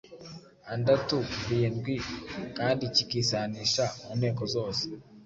andatu, -rindwi, kandi kikisanisha mu nteko zose.